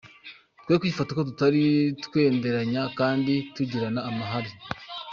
Twekwifata uko tutari, twenderanya kandi tugirirana amahari".